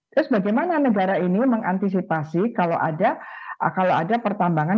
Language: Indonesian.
terus bagaimana negara ini mengantisipasi kalau ada pertambangan